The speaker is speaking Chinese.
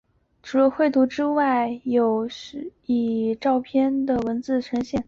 除了绘图之外有的以照片和文字说明呈现。